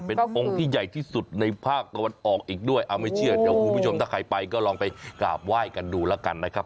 เป็นองค์ที่ใหญ่ที่สุดในภาคตะวันออกอีกด้วยเอาไม่เชื่อเดี๋ยวคุณผู้ชมถ้าใครไปก็ลองไปกราบไหว้กันดูแล้วกันนะครับ